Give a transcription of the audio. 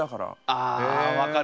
あ分かる。